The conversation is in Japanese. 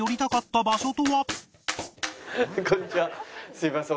すいません